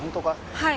はい。